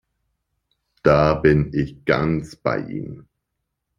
Da bin ich ganz bei Ihnen!